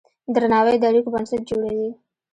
درناوی د اړیکو بنسټ جوړوي.